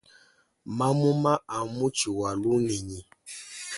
Mamuma a mutshi wa lugenyi.